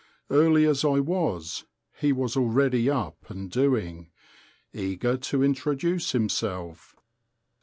Early as I was, he was already up and doing, eager to introduce himself.